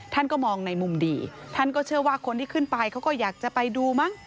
ท่านก็มองในมุมดีท่านก็เชื่อว่าคนที่ขึ้นไปเขาก็อยากจะไปดูมั้ง